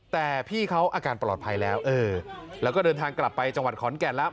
แต่พี่เขาอาการปลอดภัยแล้วเออแล้วก็เดินทางกลับไปจังหวัดขอนแก่นแล้ว